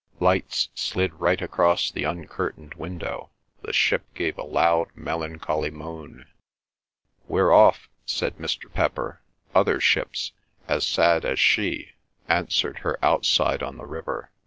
Lights slid right across the uncurtained window. The ship gave a loud melancholy moan. "We're off!" said Mr. Pepper. Other ships, as sad as she, answered her outside on the river.